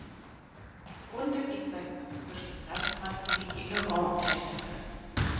Runde gegen seinen französischen Landsmann Mickey Laurent endete.